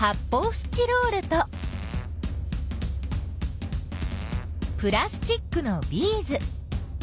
スチロールとプラスチックのビーズ。